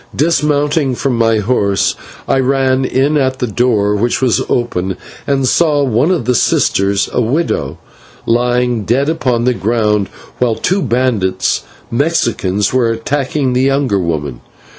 Dismounting from my horse I ran in at the door, which was open, and saw one of the sisters, the widow, lying dead upon the ground, while two bandits, Mexicans, were attacking the younger woman.